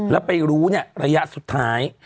แล้วไปรู้ระยะสุดท้าย